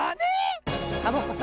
⁉サボ子さん